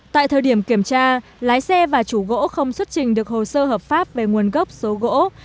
tại thời điểm kiểm tra lái xe và chủ gỗ không xuất trình được hồ sơ hợp pháp về nguồn gốc số gỗ